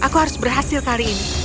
aku harus berhasil kali ini